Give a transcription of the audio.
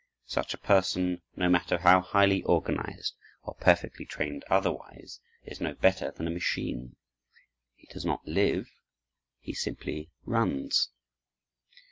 Such a person, no matter how highly organized, or perfectly trained otherwise, is no better than a machine. He does not live, he simply runs.